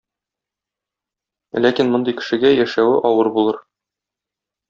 Ләкин мондый кешегә яшәве авыр булыр.